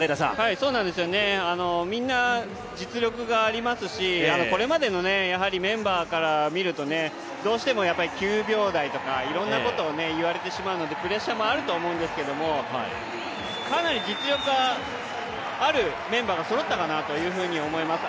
そうなんですよね、みんな実力がありますしこれまでのメンバーから見るとどうしても９秒台とかいろんなことを言われてしまうのでプレッシャーもあると思うんですけど、かなり実力はあるメンバーがそろったかなと思います。